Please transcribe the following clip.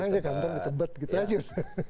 sudah bilang aja kantor ditebat gitu aja